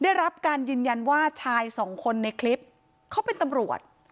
ได้รับการยืนยันว่าชายสองคนในคลิปเขาเป็นตำรวจ